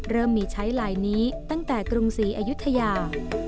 เริ่มมีใช้ลายนี้ตั้งแต่กรุงศรีอายุทยา